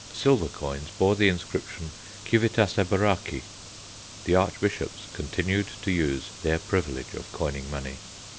Silver coins bore the inscription CIVITAS EBORACI. The archbishops continued to use their privilege of coining money.